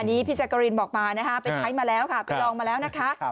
อันนี้พี่แจ๊กกะรีนบอกมานะคะไปใช้มาแล้วค่ะไปลองมาแล้วนะคะ